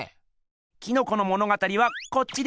キノコの物語はこっちです。